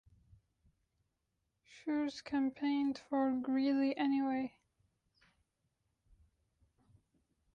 Schurz campaigned for Greeley anyway.